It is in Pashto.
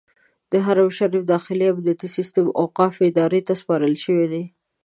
د حرم شریف داخلي امنیتي سیستم اوقافو ادارې ته سپارل شوی دی.